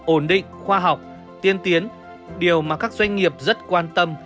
ổn định khoa học tiên tiến điều mà các doanh nghiệp rất quan tâm